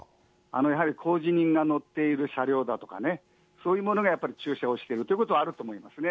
やはり工事人が乗っている車両だとかね、そういうものがやっぱり駐車をしているということはあると思いますね。